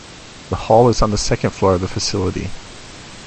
The hall is on the second floor of the facility.